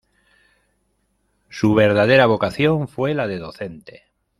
Su verdadera vocación fue la de docente.